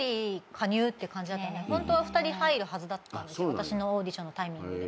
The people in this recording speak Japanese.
私のオーディションのタイミングで。